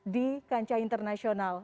di kancah internasional